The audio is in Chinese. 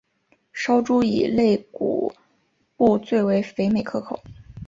烧猪以肋骨部最为肥美可口。